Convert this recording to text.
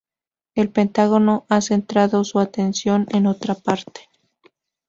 El Pentágono ha centrado su atención en otra parte.